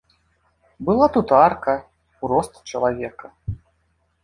Была тут арка, у рост чалавека.